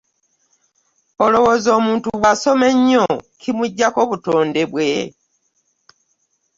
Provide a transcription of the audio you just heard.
Olowooza omuntu bw'asoma ennyo kimuggyako butonde bwe?